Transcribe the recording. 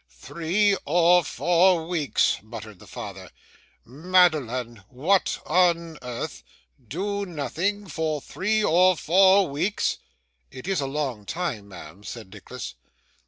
'Three or four weeks!' muttered the father. 'Madeline, what on earth do nothing for three or four weeks!' 'It is a long time, ma'am,' said Nicholas.